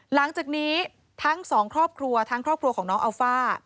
หลังจากนี้ทั้งสองครอบครัวทั้งครอบครัวของน้องอัลฟ่า